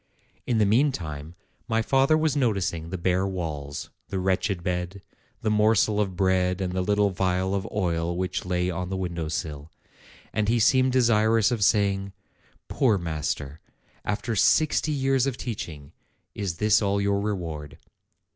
In the meantime, my father was noticing the bare walls, the wretched bed, the morsel of bread and the little phial of oil which lay on the window sill ; and he seemed desirous of saying, "Poor master! after sixty years of teaching, is this all your reward?"